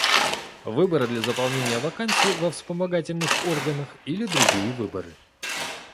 Выборы для заполнения вакансий во вспомогательных органах и другие выборы.